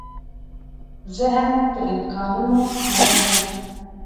ذهن د امکانونو نړۍ ده.